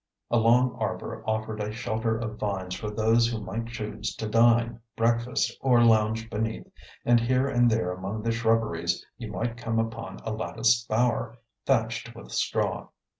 A long arbour offered a shelter of vines for those who might choose to dine, breakfast, or lounge beneath, and, here and there among the shrubberies, you might come upon a latticed bower, thatched with straw.